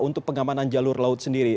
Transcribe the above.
untuk pengamanan jalur laut sendiri